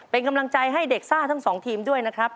เป็นกำลังใจให้เด็กซ่าทั้งสองทีมด้วยนะครับ